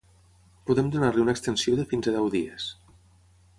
Podem donar-li una extensió de fins a deu dies.